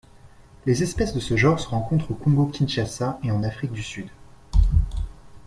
Les espèces de ce genre se rencontrent au Congo-Kinshasa et en Afrique du Sud.